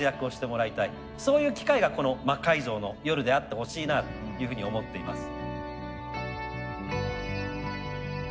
そういう機会がこの「魔改造の夜」であってほしいなというふうに思っています。